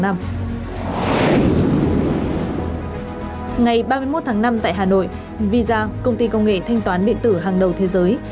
ngày ba mươi một tháng năm tại hà nội visa công ty công nghệ thanh toán điện tử hàng đầu thế giới